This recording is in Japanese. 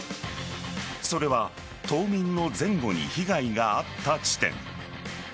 それは冬眠の前後に被害があった地点。